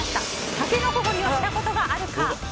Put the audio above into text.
タケノコ掘りをしたことがあるか。